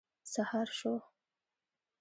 سهار شو.